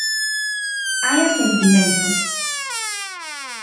Hai asentimento.